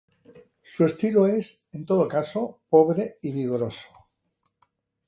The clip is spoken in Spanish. Su estilo es, en todo caso, pobre y vigoroso.